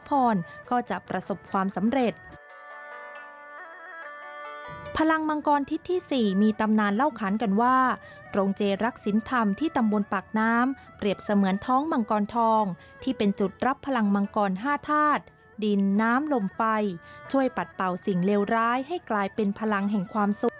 พลังมังกรทิศที่๔มีตำนานเล่าขันกันว่าโรงเจรักศิลป์ธรรมที่ตำบลปากน้ำเปรียบเสมือนท้องมังกรทองที่เป็นจุดรับพลังมังกร๕ธาตุดินน้ำลมไฟช่วยปัดเป่าสิ่งเลวร้ายให้กลายเป็นพลังแห่งความสุข